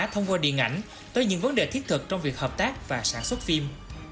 thông qua điện ảnh tới những vấn đề thiết thực trong việc hợp tác và sản xuất phim